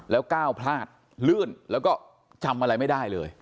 แล้วก้าวพลาดลื่นแล้วก็จำอะไรไม่ได้เลย